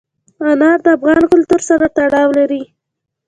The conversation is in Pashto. انار د افغان کلتور سره تړاو لري.